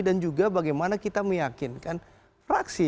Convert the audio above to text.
dan juga bagaimana kita meyakinkan fraksi